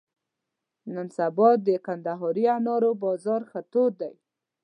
نن سبا د کندهاري انارو بازار ښه تود دی.